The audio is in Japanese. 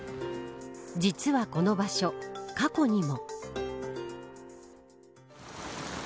実はこの場所、過去にも。